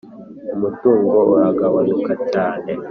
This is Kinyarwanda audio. umutungo uragabanuka cyane;